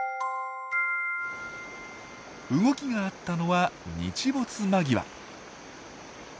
動きがあったのは日没間際。